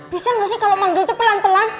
bisa gak sih kalo manggil tuh pelan pelan